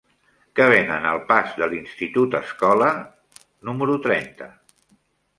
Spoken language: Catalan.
Què venen al pas de l'Institut Escola número trenta?